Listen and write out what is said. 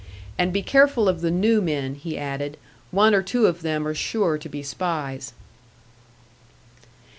"And be careful of the new men," he added; "one or two of them are sure to be spies."